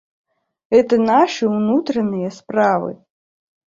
Гэта нашы ўнутраныя справы!